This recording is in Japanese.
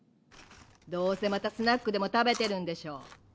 ・どうせまたスナックでも食べてるんでしょ。